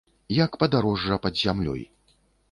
Як падарожжа пад зямлёй.